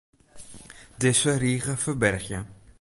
Dizze rige ferbergje.